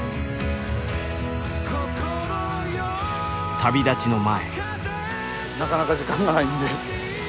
旅立ちの前。